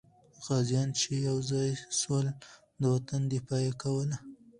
غازیان چې یو ځای سول، د وطن دفاع یې کوله.